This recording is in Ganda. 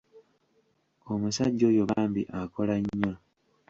Omusajja oyo bambi akola nnyo.